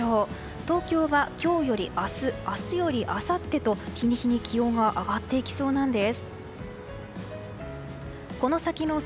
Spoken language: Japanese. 東京は今日より明日よりあさってと日に日に気温が上がっていきそうなんです。